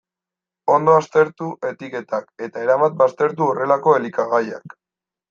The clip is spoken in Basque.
Ondo aztertu etiketak, eta erabat baztertu horrelako elikagaiak.